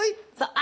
あ！